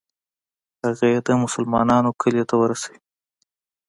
هغه یې د مسلمانانو کلي ته ورسوي.